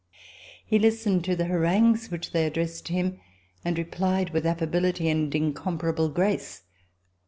He listened to the harangues which they addressed to him, and replied with affability and incomparable grace.